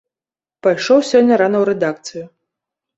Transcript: Пайшоў сёння рана ў рэдакцыю.